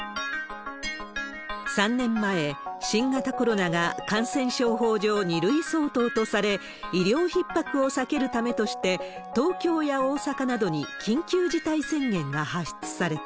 ３年前、新型コロナが感染症法上２類相当とされ、医療ひっ迫を避けるためとして、東京や大阪などに緊急事態宣言が発出された。